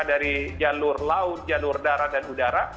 dari jalur laut jalur darat dan udara